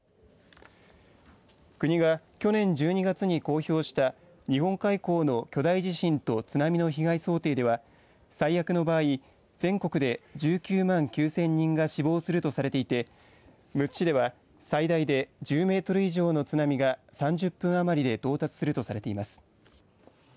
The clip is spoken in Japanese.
国が去年１２月に公表した日本海溝の巨大地震と津波の被害想定では最悪の場合全国で１９万９０００人が死亡するとされていてむつ市では、最大で１０メートル以上の津波が３０分余りで到達するとされています。